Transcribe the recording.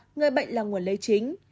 người bệnh là nguồn lây chính